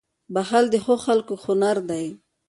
• بښل د ښو خلکو هنر دی.